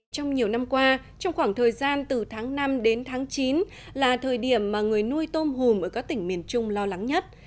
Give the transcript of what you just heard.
trong nhiều năm qua trong khoảng thời gian từ tháng năm đến tháng chín là thời điểm mà người nuôi tôm hùm ở các tỉnh miền trung lo lắng nhất